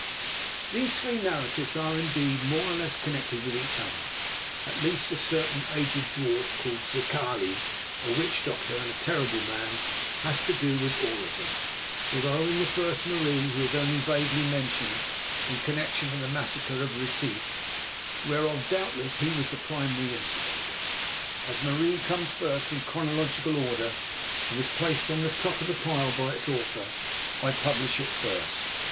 These three narratives are, indeed, more or less connected with each other. At least, a certain aged dwarf, called Zikali, a witch doctor and a terrible man, has to do with all of them, although in the first, "Marie," he is only vaguely mentioned in connection with the massacre of Retief, whereof he was doubtless the primary instigator. As "Marie" comes first in chronological order, and was placed on the top of the pile by its author, I publish it first.